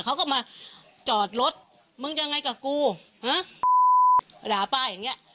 เขาก็มาจอดรถมึงยังไงกับกูฮะด่าป้าอย่างเงี้ย